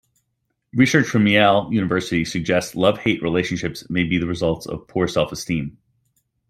Research from Yale University suggests love-hate relationships may be the result of poor self-esteem.